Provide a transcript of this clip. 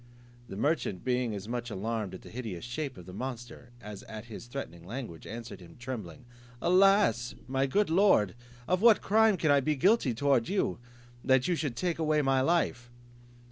The merchant being as much alarmed at the hideous shape of the monster as at his threatening language, answered him, trembling, "Alas! my good lord, of what crime can I be guilty towards you, that you should take away my life?"